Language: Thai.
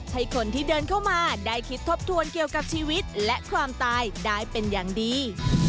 ให้คนที่เดินเข้ามาได้คิดทบทวนเกี่ยวกับชีวิตและความตายได้เป็นอย่างดี